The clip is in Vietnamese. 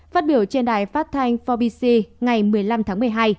phát biểu trên đài phát thanh bốn bc ngày một mươi năm tháng một mươi hai